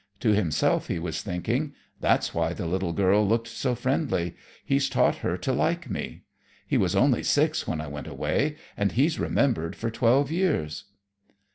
To himself he was thinking: "That's why the little girl looked so friendly. He's taught her to like me. He was only six when I went away, and he's remembered for twelve years."